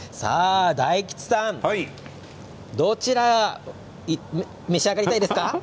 大吉さん、どちらを召し上がりたいですか？